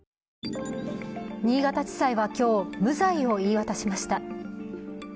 新潟地裁は今日、無罪を言い渡しました。